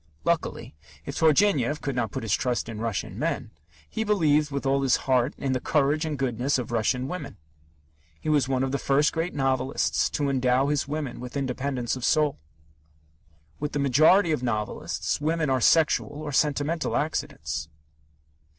Luckily, if Turgenev could not put his trust in Russian men, he believed with all his heart in the courage and goodness of Russian women. He was one of the first great novelists to endow his women with independence of soul. With the majority of novelists, women are sexual or sentimental accidents.